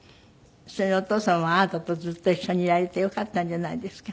それにお父様もあなたとずっと一緒にいられてよかったんじゃないんですか？